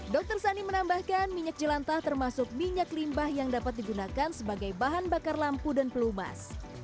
dr sani menambahkan minyak jelantah termasuk minyak limbah yang dapat digunakan sebagai bahan bakar lampu dan pelumas